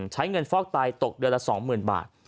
ใช้เงินฟอกไตตกเดือนละ๒๐๐๐บาท